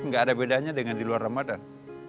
gak ada bedanya dengan di luar ramadan